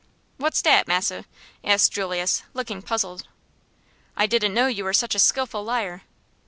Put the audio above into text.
"What's dat, massa?" asked Julius, looking puzzled. "I didn't know you were such a skillful liar."